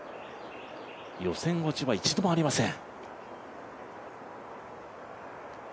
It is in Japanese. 予選落ちは一度もありません。